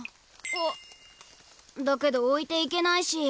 あっだけどおいていけないし。